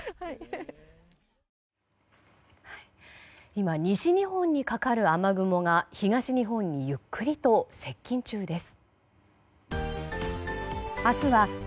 今、西日本にかかる雨雲が東日本にゆっくりと接近中です。